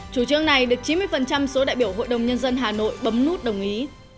chủ trương này được chín mươi số đại biểu hội đồng nhân dân hà nội bấm nút đồng ý